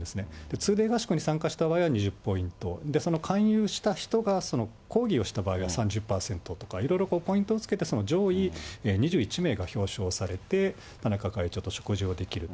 通例合宿に参加した場合は２０ポイント、その勧誘した人が講義をした場合は３０％とか、いろいろポイントをつけて、上位２１名が表彰されて、田中会長と食事をできると。